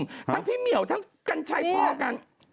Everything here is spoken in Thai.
ทั้งพี่เหมียวทั้งกัญชัยพ่อกัน